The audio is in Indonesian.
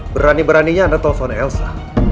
berani beraninya anda telpon elsa